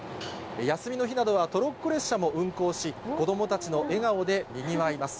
休みの日などはトロッコ列車も運行し、子どもたちの笑顔でにぎわいます。